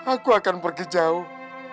aku akan pergi jauh